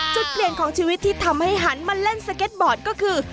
จุดเปลี่ยนของชีวิตที่ทำให้หันมาเล่นสเก็ตบอร์ดก็คือ